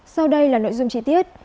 sau đây là nội dung trí tiết